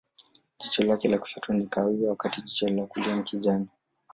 Jicho lake la kushoto ni kahawia, wakati jicho la kulia ni kijani.